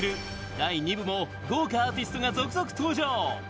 第２部も豪華アーティストが続々登場！